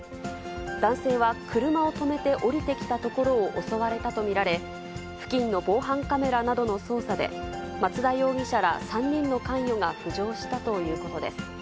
男性は車を止めて降りてきたところを襲われたと見られ、付近の防犯カメラなどの捜査で、松田容疑者ら３人の関与が浮上したということです。